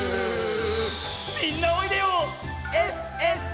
みんなおいでよ！ＳＳＪ！